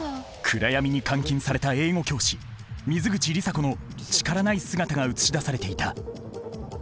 暗闇に監禁された英語教師水口里紗子の力ない姿が映し出されていた。